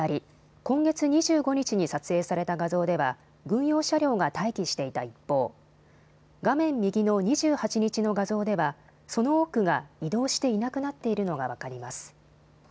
今月２５日に撮影された画像では軍用車両が待機していた一方、画面右の２８日の画像ではその多くが移動していなくなっているのが分かります。